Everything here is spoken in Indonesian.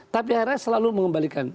tapi hrs selalu mengembalikan